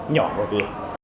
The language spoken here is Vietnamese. nhỏ và vừa